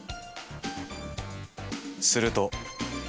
すると。